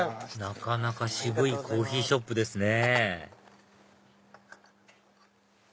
なかなか渋いコーヒーショップですね